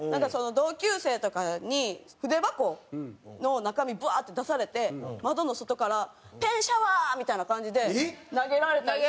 同級生とかに筆箱の中身バーッて出されて窓の外から「ペンシャワー」みたいな感じで投げられたりして。